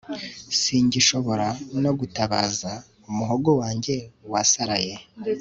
singishobora no gutabaza, umuhogo wanjye wasaraye